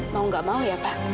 mau gak mau ya pak